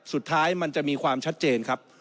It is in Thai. สุดท้ายมันจะมีความชัดเจนครับ